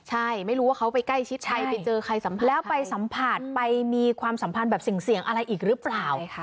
ใช่ไม่รู้ว่าเขาไปใกล้ชิดใครไปเจอใครสัมผัสแล้วไปสัมผัสไปมีความสัมพันธ์แบบเสี่ยงอะไรอีกหรือเปล่า